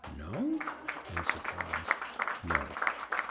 "No?" In surprise. "No."